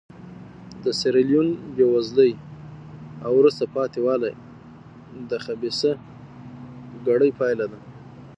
د سیریلیون بېوزلي او وروسته پاتې والی د خبیثه کړۍ پایله ده.